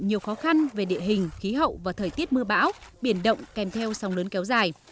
nhiều khó khăn về địa hình khí hậu và thời tiết mưa bão biển động kèm theo sông lớn kéo dài